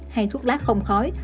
hay thuốc lá không khói